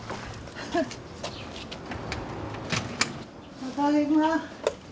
ただいま。